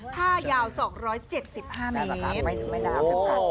ผ้ายาว๒๗๕เมตร